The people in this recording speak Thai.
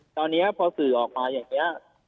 ตอนนี้พอสื่อออกมาอย่างนี้